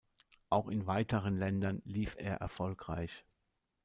Auch in weiteren Ländern lief er erfolgreich.